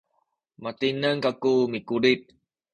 matineng kaku mikulit